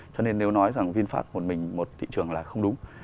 cho nên nếu nói rằng vinfast một mình một thị trường là không đúng